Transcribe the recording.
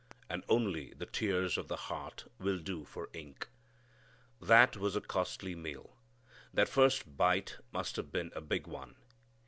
And only the tears of the heart will do for ink. That was a costly meal. That first bite must have been a big one.